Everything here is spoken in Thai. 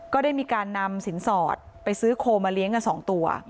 ก็ได้มีการนำสินสอดไปซื้อโคมาเลี้ยงกัน๒ตัว